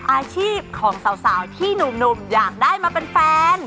อาชีพของสาวที่หนุ่มอยากได้มาเป็นแฟน